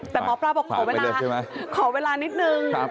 แต่หมอปลาบอกขอเวลาขอเวลานิดนึง